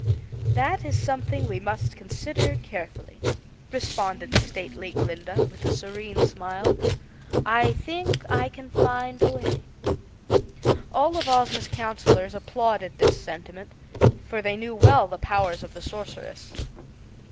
"That is something we must consider carefully," responded stately Glinda, with a serene smile. "I think I can find a way." All of Ozma's counsellors applauded this sentiment, for they knew well the powers of the Sorceress.